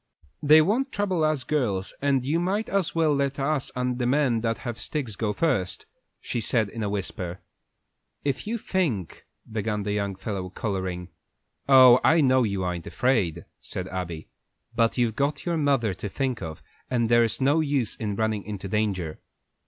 "They won't trouble us girls, and you might as well let us and the men that have sticks go first," she said in a whisper. "If you think " began the young fellow, coloring. "Oh, I know you ain't afraid," said Abby, "but you've got your mother to think of, and there's no use in running into danger."